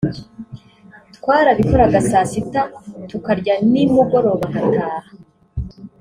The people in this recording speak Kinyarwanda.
twarabikoraga saa sita tukarya ni mugoroba ngataha